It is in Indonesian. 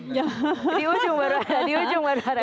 di ujung baru ada